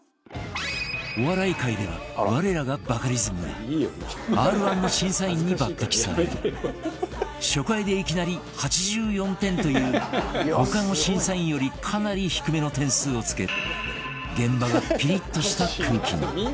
お笑い界では我らがバカリズムが Ｒ−１ の審査員に抜擢され初回でいきなり８４点という他の審査員よりかなり低めの点数をつけ現場がピリッとした空気に